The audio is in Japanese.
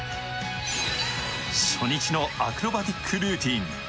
初日のアクロバティックルーティン。